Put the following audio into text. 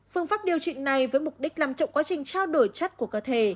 phương pháp điều trị này với mục đích làm chậm quá trình trao đổi chất của cơ thể